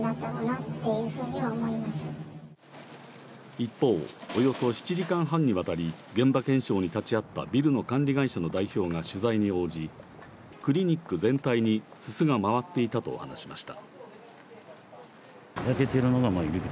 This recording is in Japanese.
一方、およそ７時間半にわたり現場検証に立ち会ったビルの管理会社の代表が取材に応じクリニック全体にすすが回っていたと話しました。